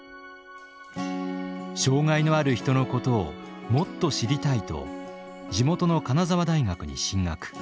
障害のある人のことをもっと知りたいと地元の金沢大学に進学。